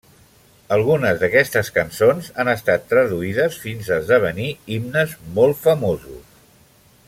Algunes d'aquestes cançons han estat traduïdes fins a esdevenir himnes molt famosos.